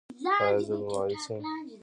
ایا زه به معیوب شم؟